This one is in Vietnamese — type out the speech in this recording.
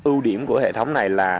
ưu điểm của hệ thống này là